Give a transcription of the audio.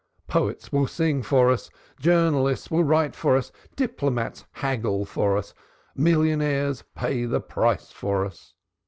Poets will sing for us, journalists write for us, diplomatists haggle for us, millionaires pay the price for us.